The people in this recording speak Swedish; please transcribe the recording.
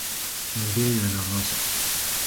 Men det är ju en annan sak.